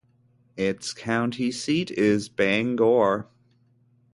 Its county seat is Bangor.